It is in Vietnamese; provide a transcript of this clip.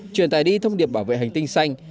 truyền tài đi thông điệp bảo vệ hành tinh xanh